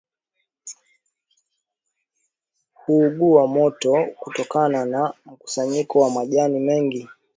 Huungua moto kutokana na mkusanyiko wa majani mengi